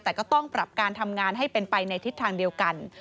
แต่ก็ต้องปรับการทำงานให้เป็นไปในทิศทางเดียวกัน